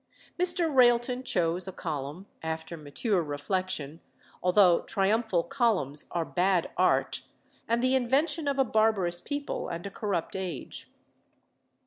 Mr. Railton chose a column, after mature reflection; although triumphal columns are bad art, and the invention of a barbarous people and a corrupt age.